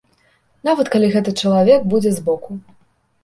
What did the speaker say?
Нават калі гэты чалавек будзе збоку.